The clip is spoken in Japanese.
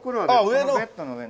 このベッドの上に。